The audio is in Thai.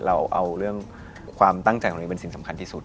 เราเอาเรื่องความตั้งใจของตัวเองเป็นสิ่งสำคัญที่สุด